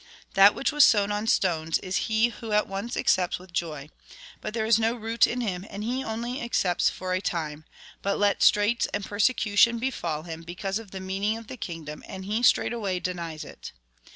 That which was sown on stones, is he who at once accepts with joy. But there is no root in him, and he only accepts for a time ; but let 48 THE GOSPEL IN BRIEF straits and persecution befall him, because of the meaning of the kingdom, and he straightaway denies it.